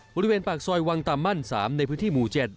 บริเวณปากซอยวังตามมั่น๓ในพื้นที่หมู่๗